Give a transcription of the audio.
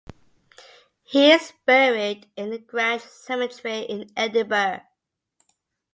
He is buried in the Grange Cemetery in Edinburgh.